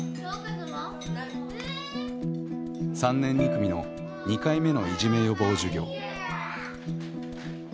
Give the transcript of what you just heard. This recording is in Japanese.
３年２組の２回目のいじめ予防授業。